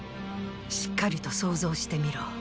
しっかりと想像してみろ。